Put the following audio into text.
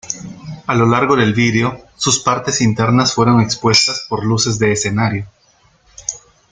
A lo largo del video, sus partes internas fueron expuestas por luces de escenario.